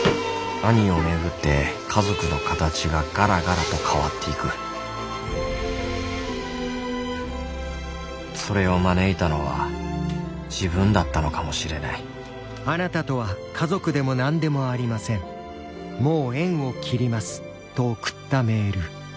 兄を巡って家族の形がガラガラと変わっていくそれを招いたのは自分だったのかもしれない「僕たちで捕まえてやりましょう」。